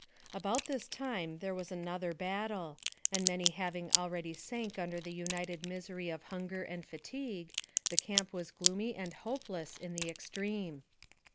About this time there was another battle; and many having already sank under the united misery of hunger and fatigue, the camp was gloomy and hopeless in the extreme.